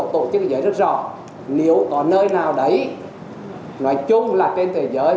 tổ chức thế giới rất rõ nếu có nơi nào đấy nói chung là trên thế giới